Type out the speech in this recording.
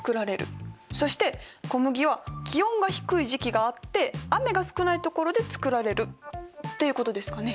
そして小麦は気温が低い時期があって雨が少ないところで作られるっていうことですかね。